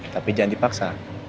tapi jangan dipaksa